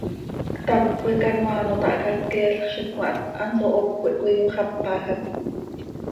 Ctamcö coi canoaa ano tahca, queelx z itcmaht, hanso hocö ih cöiyoxápajam.